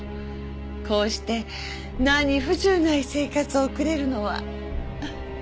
こうして何不自由ない生活を送れるのは。